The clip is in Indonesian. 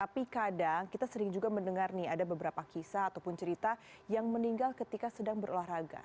tapi kadang kita sering juga mendengar nih ada beberapa kisah ataupun cerita yang meninggal ketika sedang berolahraga